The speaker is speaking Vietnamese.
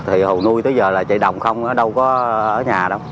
thì hồ nuôi tới giờ là chạy đồng không đâu có ở nhà đâu